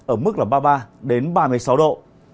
ở mức là ba mươi ba đến ba mươi sáu độ